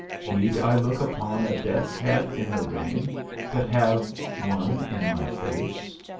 Need I look upon a death's head in a ring, that have one in my face?